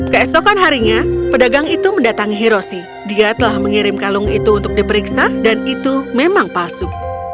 keesokan harinya pedagang itu mendatangi hiroshi dia telah mengirim kalung itu untuk diperiksa dan itu memang palsu